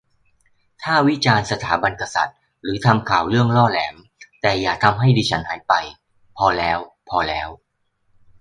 ถ้าวิจารณ์สถาบันกษัตริย์หรือทำข่าวเรื่องล่อแหลม แต่อย่าทำให้ดิฉันหายไป พอแล้ว พอแล้ว